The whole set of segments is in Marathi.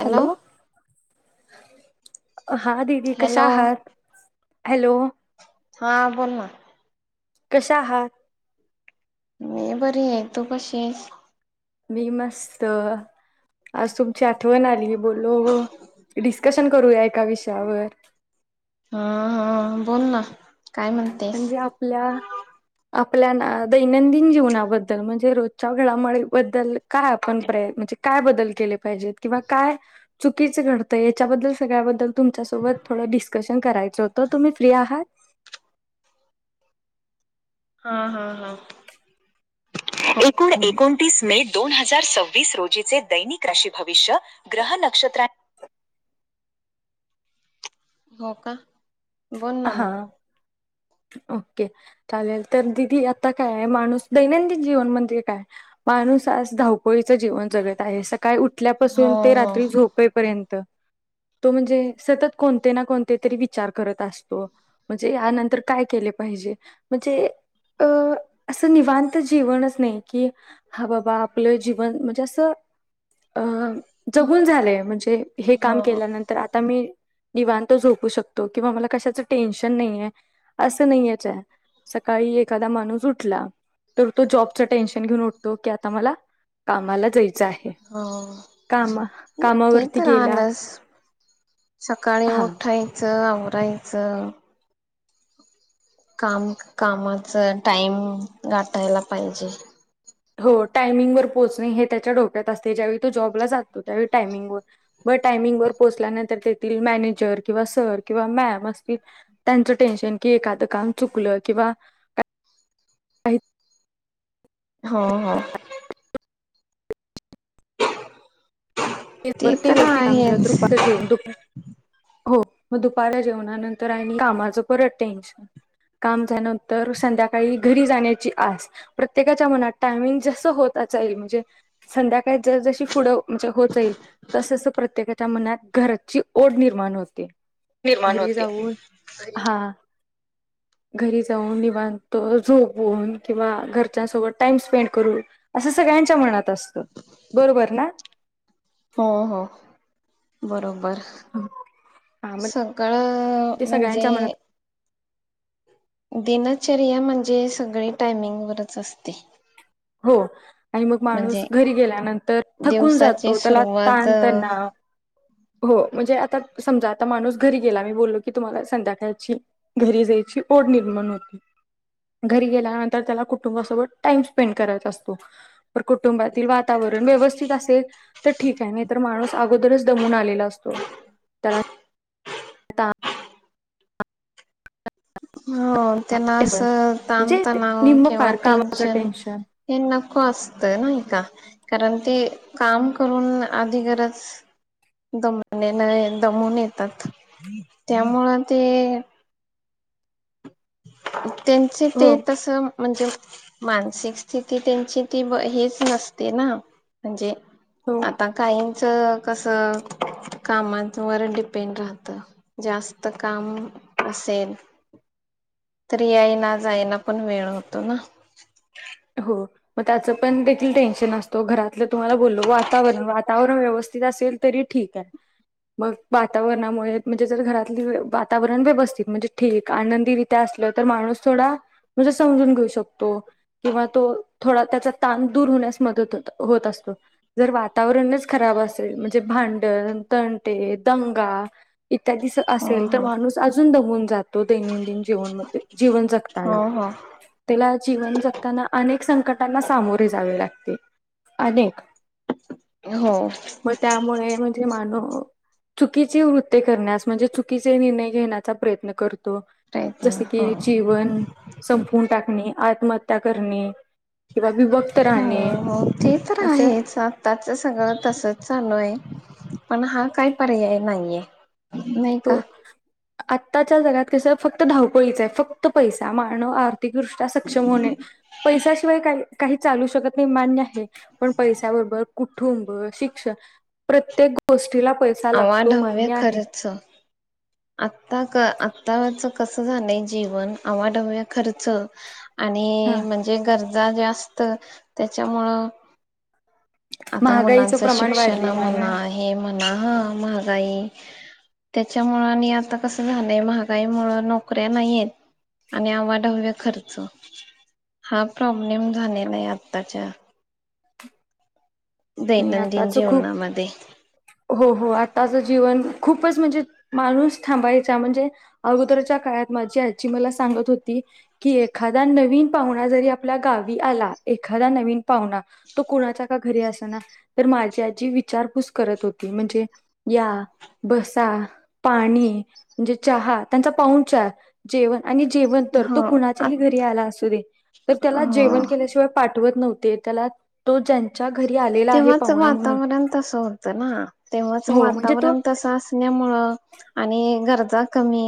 हॅलो [inaudible] हा दीदी कशा हॅलो आहात? हॅलो हा बोल ना. कश्या आहात? मी बरी आहे तू कशी आहेस. मी मस्त, आज तुमची आठवण आली बोललो डिस्कशन करूया एका विषयावर हा हा बोल ना काय म्हणतेस म्हणजे आपल्या आपल्या ना दैनंदिन जीवनाबद्दल म्हणजे रोजच्या घडामोडीबद्दल काय आपण प्रयत्न म्हणजे काय बन? बदल केले पाहिजेत किंवा काय चुकीचं घडतंय याच्याबद्दल सगळ्याबद्दल तुमच्यासोबत थोडं डिस्कशन करायचं तो तुम्ही फ्री आहात? हा हा हा एकूण एकोणतीस मे दोन हजार.. चार सव्वीस रोजीचे दैनिक राशी भविष्य ग्रह नक्षत्रां... हो का बोल ना म हा ओके चालेल तर दिदी आता काय माणूस दैनंदिन जीवन म्हणजे काय माणूस आज धावपळीचं जीवन जगत आहे स... काय उठल्यापासून ते हो हो रात्री झोपेपर्यंत तो म्हणजे सतत कोणते ना कोणते तरी विचार करत अस म्हणजे यानंतर काय केले पाहिजे म्हणजे अं असं निवांत जीवनच नाही कि हा बाबा आपलं जीवन म्हणजे असं अअ जगून झालयं म्हणजे हे काम हो केल्यानंतर आता मी निवांत झोपू शकतो किंवा मला कशाच टेन्शन नाहीय असं नाहीयएच सकाळी एखादा माणूस उठला तर तो जॉबच टेन्शन घेऊन उठतो की आता मला... कामाला जायचं आहे हो कामा ते कामावरती तर गेला आलंच हां करायच कामं कामाचं टाइम गाठायला पाहिजे हो टायमिंग वर पोहचणं हे त्याच्या डोक्यात असते ज्यावेळी तो जॉबला जातो त्यावेळी टायमिंग वर व टायमिंग वर पोहोचल्यानंतर तेथील मॅनेजर किंवा सर किंवा मॅम असतील त्यांचं टेन्शन कि एखादं काम चुकलं किंवा काही हो हो बर ते तर व्यवस्थि काम झाल आहेच तरी जेवन दुपारी.. हो मग दुपार जेवणानंतर आणि कामाचं परत टेन्शनं काम झाल नंतर संध्याकाळी घरी जाण्याची आस प्रत्येकाच्या मनात टायमिंग जसं होत जाईल म्हणजे संध्याकाळी ज जशी पुढं म्हणजे..... होत जाईल तस तस प्रत्येकाच्या मनात घरची ओढं निर्माण होते निर्माण घरी होते. जाऊन आणि हा घरी जाऊन निवांत झोपून किंवा घरच्यासोबत टाइम स्पेंड करू असं सगळ्यांच्या मनात असत बरोबर ना? हो हो बरोबर हा मग सगळं ते म्हणजे सगळ्यांच्या मनात दिनचर्या म्हणजे सगळी टायमिंग वरच असते. हो आणि मग माणूस म्हणजे घरी गेल्यानंतर थकून दिवसाची जातो त्याला सुरुवात ताण तणाव हो म्हणजे आता समजा आता माणूस घरी गेला मी बोललो की तुम्हाला संध्याकाळची घरी जायची ओढ निर्माण होती घरी गेल्यानंतर त्याला कुटुंबासोबत टाइम स्पेंड करायचा असतो तर कुटुंबातील वातावरण व्यवस्थित असेल तर ठीक आहे. नाहीतर माणूस अगोदरच दमून आलेला असतो. त्याला [inaudible] हो त्याना टेन्शन असं म्हणजे ताणतणाव निम्म किंवा पार कामाचं टेन्शन हे नको असतं नाही का? कारण ते काम करून आधी गरज दम दमून [unintelligible] येतात त्यामुळं ते [inaudible] त्यांचे ते हो तसं म्हणजे मानसिक स्थिती त्यांची ती हेच नसते ना म्हणजे हो आता काही त कसं कामांवर डिपेंड राहतं जास्त काम असेल तर याईना जायना पण वेळ होतो ना. हो म त्याच पण देखील टेन्शन असतो घरातलं तुम्हाला बोललो वातावरणं वातावरण व्यवस् येत असेल तरी ठीक आहे. मग वातावरणामुळे म्हणजे जर घरातले वातावरण व्यवस्थित म्हणजे ठीक आनंदीरित्या असलं तर माणूस थोडा म्हणजे समजून घेऊ शकतो. किंवा तो थोडा त्याचा ताण दूर होण्यास मदत होत होत असतो, जर वातावरणच खराब असेल म्हणजे भांडण, तंटे, दंगा इत्यादीच हो असेल तर माणूस अजून दमुन तो दैनंदिन जीवनमध्ये जीवन जगताना हो हो तेला जीवन जग अनेक संकटांना सामोरी जावे लागते. अनेक हो हो म त्यामुळे म्हणजे मानव चुकीची वृत्ती करण्यास म्हणजे चुकीचे निर्णय घेण्याचा प्रयत्न कर जस प्रयत्न हो की जीवन संपून टाकणे आत्मत त्या करणे हो राहणे हो ते तर अशा आहेच आताच सगळं तसच चालू आहे. पण हा काय पर्याय नाहीये. नाई तो का? आत्ताच्या जगात कसं फक्त धावपळीचं आहे फक्त पैसा मानव आर अतिकृष्ट्या सक्षम होणे. पैसाशिवाय काही काही चालू शकत नाही मान्य आहे, पण पैशबरोबर कुटुंब शिक्षण प्रत्येक गोष्टीला पैसा लागतो आवाढव्य मान्य आहे खर्च आताच क आताच कसं झालंय जीवन आवाढव्य खर्च आणि हा म्हणजे गर जा जास्त असत त्याच्यामुळ आता महागाईचं मुलांचं प्रमाण शिक्षण वाढलेलं आहे म्हणा ना हे म्हणा हं महागाई त्याच्यामुळ आणि आता कस झालंय महागाई मुळ नोकऱ्या नाहीयेत आणि आवाढव्य खर्च हा प्रॉब्लेम झालेलाय आताच्या णि आताच खूप हो हो आताच जीवन खूपच म्हणजे माणूस थांबायचा म्हणजे अगोदरच्या काळात माझी आजी मला सांगत होती की, एखादा नवीन पाहुणा जरी आपल्या गावी आला एखादा नवीन पाहुणा तो कुणाचा का घरी असना तर माझी आजी विचारपूस करत होती. म्हणजे या बसा पाणी म्हणजे चहा त्यांचा पाऊंचार जेवण आणि जेवण तर तो हो कुणाच्याही आत घरी आला असू दे, तर त्याला हो जेवण केल्याशिवाय पाठवत नव्हत ते त्याला तो ज्यानं ज्या घरी आलेला आहे. स वातावरण तस होतं ना, तेव्हाच हो म्हणजे तो वातावरण तस असण्यामुळ आणि गरजा कमी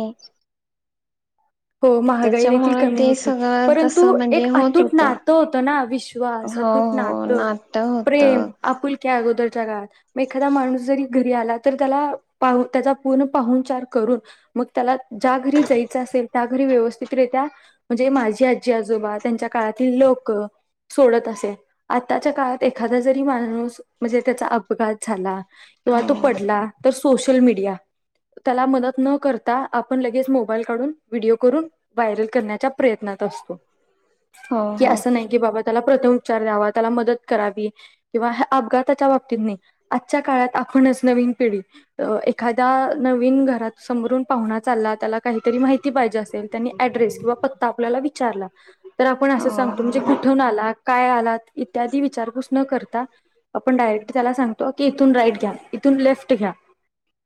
हो महागाई देखील त्याच्यामुळे कमी ते होती, सगळं तसं परंतु एक म्हणजे होत अतूट होत नातं होतं ना विश्वास हो अतूट हो नातं नाट्य होत प्रेम आपुलक्या अगोदर म एखादा माणूस जरी घरी आला तर त्याला त्याचा पूर्ण पाहुणचार करून मग त्याला ज्या घरी जायच असेल त्या घरी व्यवस्थितरित्या म्हणजे माझी आजी, आजोबा, त्यांच्या काळातील लोक, सोडत असे आताच्या काळात एखादा जरी माणूस म्हणजे त्याचा अपघात झाला किंवा हो तो पडला तर स सोशल मीडिया त्याला मदत न करता आपण लगेच मोबाईल काढून व्हिडिओ करून व्हायरल करण्याच्या प्रयत्नात असतो हो की हो असं नाही की बाबा त्याला प्रथमपचार द्यावा त्याला मदत करावी किंवा अपघातच्या बाबतीत नाही आजच्या काळात आपणच नवीन पिढी एखाद्या नवीन घरात समरून पाहुणा चालला त्याला काही पाहिजे असेल त्याने ऍड्रेस किवा पत्ता आपल्याला विचारला तर आपण अस सांगतो म्हणजे हो कुठून आला? काय आला? इत्यादी विचारपूस न करता आपण डायरेक् त्याला सांगतो की इथून राईट घ्या इथून लेफ्ट घ्या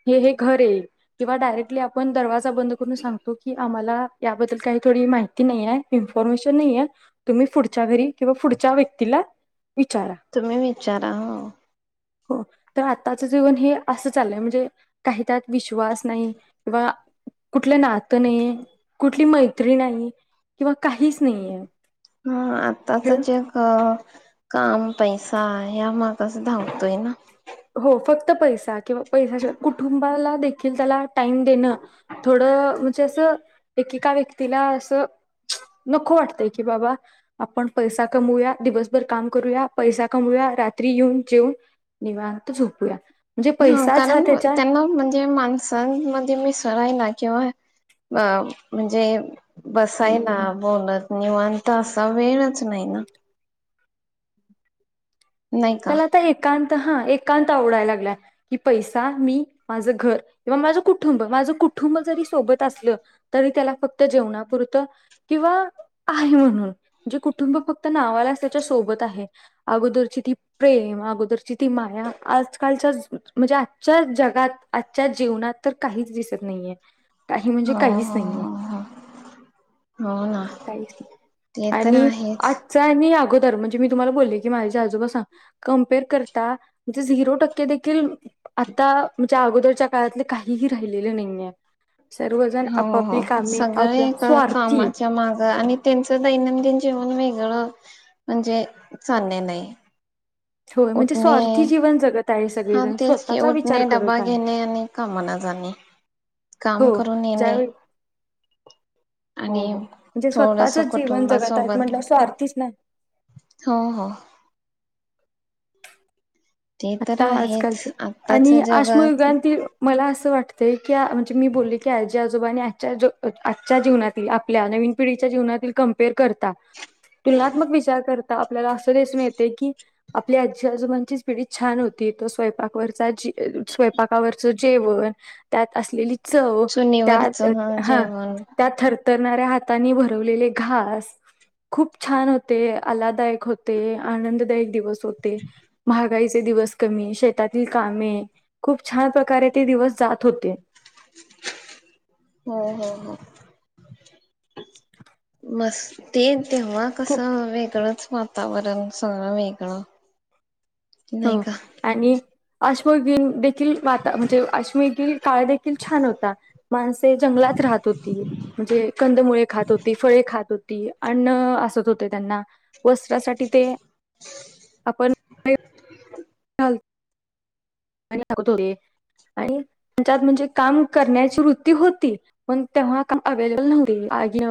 हे हे घरय किंवा डायरेक्टली आपण दरवाज जा बंद करून सांग की आम्हाला याबद्दल काही थोडी माहिती नाही आहे इन्फॉर्मेशन नाही आहे तुम्ही पुढच्या घरी किंवा पुढच्या व्यक्तीला विचारा तुम्ही विचारा हो. हो तर आताच जीवन हे असं चाललंय म्हणजे काही त्यात विश्वास नाही किंवा [inaudible] कुठली मैत्री नाही किंवा काहीच नाही आहे. हा आताचा चेक अ काम पैसा ह्या मागस धावतोय ना. हो फक्त पैसा किंवा पैश्या शिवाय कुटुंबाला दे एखाद्याला टाईम देणं थोडं म्हणजे असं एकेका व्यक्तीला असं नको वाटतंय की बाबा आपण पैसा कमवूया, दिवसभर काम करूया, पैसा कमवूया. रात्री येऊन जेऊन निवा त झोपूया. हा कारण त्यांना म्हणजे माणसांमध्ये मिसळायला किंवा अ म्हणजे बसायला बोलत निवांत असा वेळच नाही ना. नाही का? त्याला आता एकांत हा एकांत आवडायला लागला की पैसा मी माझं घर किंवा माझं कुटुंब माझं कुटुंब जरी सोबत असलं तरी त्याला फक्त जेवणापुरतं किंवा आहे म्हणून म्हणजे कुटुंब फक्त नावालाच त्याच्या सोबत आहे. अगोदरची ती प्रेम अगोदरची ती माया आजकालच्या म्हणजे आजच्या जगात आजच्या जीवनात तर काहीच दिसत नाहीये. काही म्हणजे हो काहीच हो नाही आहे हो हो. हो ना काहीच नाही ते तर आणि आहेच. आजचा आणि अगोद तर म्हणजे मी तुम्हाला बोलले की माझे आजोबा सांग कमपेअर करता म्हणजे झिरो टक्के देखील आता म्हणजे अगोदरच्या काळातले काहीही राहिलेले नाहीय. हो हो सगळे स्वार्थी कामाच्या माग आणि त्यांचं दैनंदिन जीवन वेग ळ म्हणजे चालले नाही. होय म्हणजे उठणे स्वार्थी जीवन जगत आहे हा सगळेजण तेच की स्वतःचा उठणे विचार डबा करत आहे. घेणे आणि कामाना जाणे काम हो करून येणे ज्यावेळी हो आणि हो म्हणजे स्वतःच थोडस जीवन जगत आहेत कुटुंबासोबत म्हटलं स्वार्थीच नाही हो हो. ते तर आता आजकालचे आहेच आणि आत्ताच्या जगात आश्मयुगांतील मला असं वाटतं ते की आ म्हणजे मी बोलले की आजी आजोबानी आजच्या जो आ आजच्या जीवनातील आपल्या नवीन पिढीच्या जीवनातील कमपेअर करता तुलनात्मक विचार करत आपल्याला अस दिसून येते की आपली आजी आजोबांचीच पिढी छान होती तो स्वयपावरच जी स्वयपाकावरच जेवण त्यात असलेली सौ त्या तर चुनीवरचं हा जेवण त्या थर उतरणाऱ्या हातांनी भरवलेले घास खूप छान होते आलाददायक. होते आनंददायक दिवस होते महाग घाईचे दिवस कमी. शेतातील कामे खूप छान प्रकारे ते दिवस जात होते. हो-हो-हो मस् ते ते नव्ह खूप कसं वेगळंच वातावरण सगळं वेगळं नाही हं का आणि अश्मयुगीन हं आता म्हणजे अक्ष्मयुगीन काळ देखील छान होता. माणसे जंगलात राहात होती म्हणजे कंदमुळे खात होती फळे खात होती अन्न असत होत ते त्यांना वस्त्रासाठी ते आपन ते चल [unintelligible] आणि त्याच्यात म्हणजे काम करण्याची वृत्ती होती पण तेव्हा काम अवेलेबल नव्हती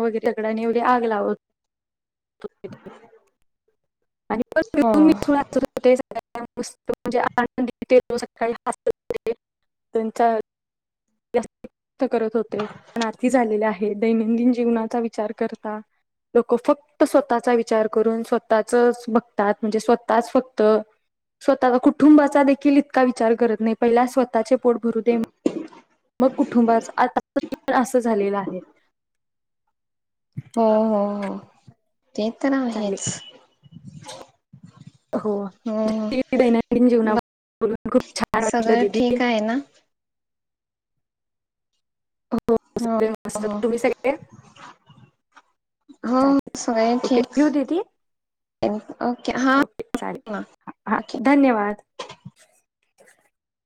[unintelligible] आणि [inaudible] हो [unintelligible] त्यांचा [unintelligible] करत होते पण झालेले आहे. हे दैनंदिन जीवनाचा विचार करता लोकं फक्त स्वतःचा विचार करून स्वतःचच बघतात, म्हणजे स्वतःच फक्त स्वतः कुटुंबाचा देखील इतका विचार करत नाही पहिला स्वतःचे पोट भरू दे. मग कुठुंबात आतापसन असं झालेलं आहे. हो-हो-हो ते तर आहेच. चालेल [inaudible] हो हो ते दैनंदिन जीवना बोलून खूप छान वाटलं सगळं दीदी ठीक आहे ना? हो सगळे मस्त तुम्ही सगळे, हो चालते सगळे ओके ठेऊ दीदी ठीक ओके हा ओके चालेल हा ओके धन्यवाद. [inaudible]